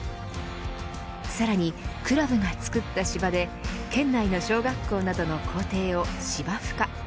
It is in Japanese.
さらにクラブが作った芝で県内の小学校などの校庭を芝生化